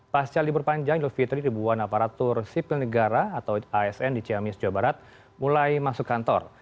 pasca libur panjang idul fitri ribuan aparatur sipil negara atau asn di ciamis jawa barat mulai masuk kantor